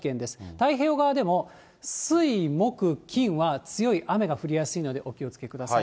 太平洋側でも、水、木、金は強い雨が降りやすいので、お気をつけください。